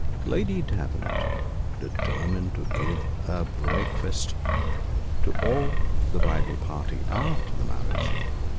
Lady Davenant determined to give a breakfast to all the bridal party after the marriage.